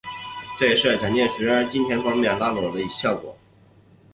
这也是蒋介石方面金钱拢络的效果。